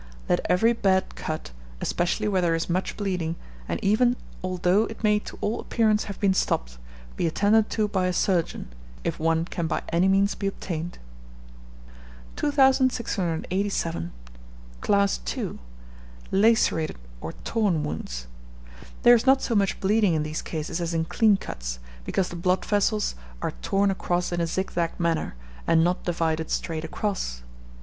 Let every bad cut, especially where there is much bleeding, and even although it may to all appearance have been stopped, be attended to by a surgeon, if one can by any means be obtained. 2687. Class 2. Lacerated or torn wounds. There is not so much bleeding in these cases as in clean cuts, because the blood vessels are torn across in a zigzag manner, and not divided straight across.